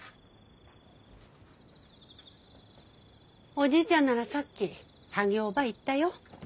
おじいちゃんならさっき作業場行ったよ。